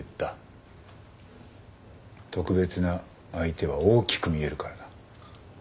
特別な相手は大きく見えるからな。